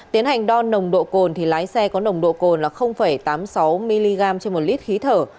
tiến hành đo nồng độ cồn thì lái xe có nồng độ cồn là tám mươi sáu mg trên một lít khí thở